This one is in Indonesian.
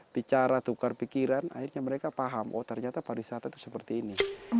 bicara tukar pikiran akhirnya mereka paham oh ternyata pariwisata itu seperti ini